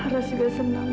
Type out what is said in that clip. harus juga senang ibu